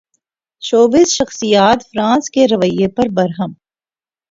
showbiz شخصیات France کے رویے پر برہم